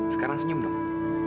sekarang senyum dong